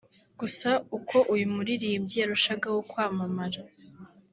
Gusa uko uyu muririmbyi yarushagaho kwamamara